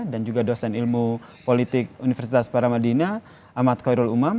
dan juga dosen ilmu politik universitas para madinah ahmad khairul umam